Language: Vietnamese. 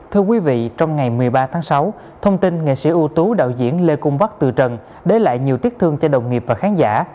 thưa quý vị trong ngày một mươi ba tháng sáu thông tin nghệ sĩ ưu tú đạo diễn lê cung bắc từ trần để lại nhiều tiếc thương cho đồng nghiệp và khán giả